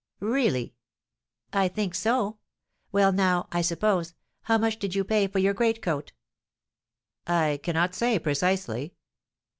"Really!" "I think so. Well, now, I suppose how much did you pay for your greatcoat?" "I cannot say precisely."